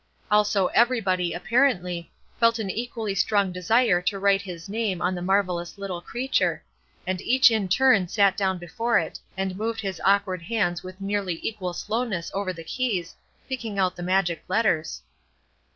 Also everybody, apparently, felt an equally strong desire to write his name on the marvellous little creature, and each in turn sat down before it and moved his awkward hands with nearly equal slowness over the keys, picking out the magic letters.